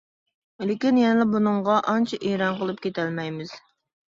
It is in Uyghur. لېكىن، يەنىلا بۇنىڭغا ئانچە ئېرەن قىلىپ كېتەلمەيمىز.